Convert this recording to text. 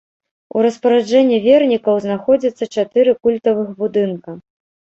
У распараджэнні вернікаў знаходзіцца чатыры культавых будынка.